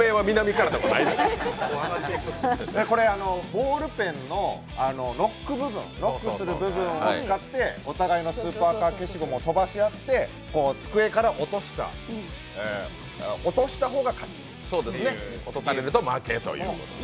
これ、ボールペンのロックする部分を使ってお互いのスーパーカー消しゴムを飛ばし合って机から落とした方が勝ちというものです。